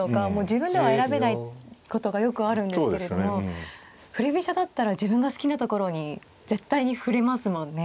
自分では選べないことがよくあるんですけれども振り飛車だったら自分が好きなところに絶対に振れますもんね。